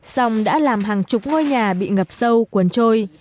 sông đã làm hàng chục ngôi nhà bị ngập sâu cuốn trôi